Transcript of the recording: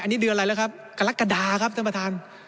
อันนี้เดือนอะไรแล้วครับกรกฎาครับท่านประธาน